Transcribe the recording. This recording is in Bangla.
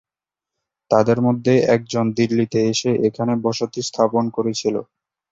তাদের মধ্যে একজন দিল্লিতে এসে এখানে বসতি স্থাপন করেছিল।